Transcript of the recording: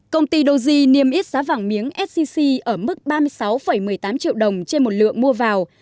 công ty doji niêm yết giá vàng miếng sgc ở mức ba mươi sáu một mươi tám triệu đồng trên một lượng mua vào